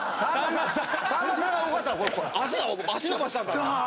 さんまさんが動かしたら脚伸ばしちゃう。